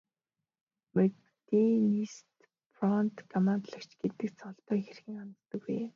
Модернист фронт командлагч гэдэг цолондоо хэрхэн ханддаг вэ?